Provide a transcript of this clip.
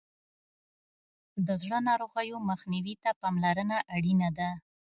د زړه ناروغیو مخنیوي ته پاملرنه اړینه ده.